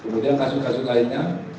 kemudian kasus kasus lainnya